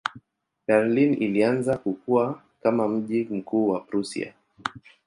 Berlin ilianza kukua kama mji mkuu wa Prussia.